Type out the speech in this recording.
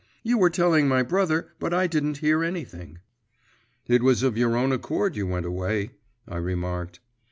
You were telling my brother, but I didn't hear anything.' 'It was of your own accord you went away,' I remarked.